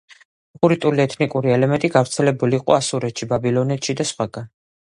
ხურიტული ეთნიკური ელემენტი გავრცელებული იყო ასურეთში, ბაბილონეთში და სხვაგან.